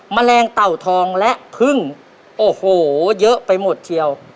แมลงเต่าทองและพึ่งโอ้โหเยอะไปหมดเชียว